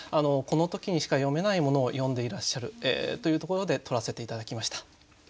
この時にしか詠めないものを詠んでいらっしゃるというところで取らせて頂きました。